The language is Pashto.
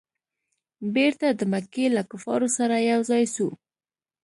بیرته د مکې له کفارو سره یو ځای سو.